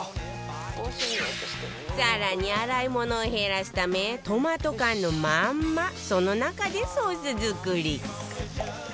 更に洗い物を減らすためトマト缶のまんまその中でソース作り